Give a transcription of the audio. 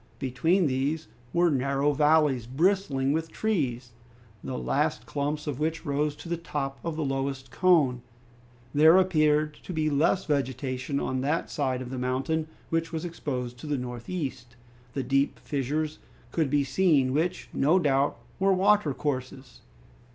Between these were narrow valleys, bristling with trees, the last clumps of which rose to the top of the lowest cone. There appeared to be less vegetation on that side of the mountain which was exposed to the northeast, and deep fissures could be seen which, no doubt, were watercourses.